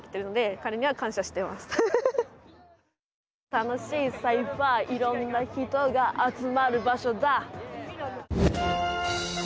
「楽しいサイファーいろんな人が集まる場所だ」